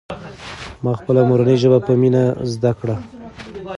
ما خپله مورنۍ ژبه په مینه زده کړه.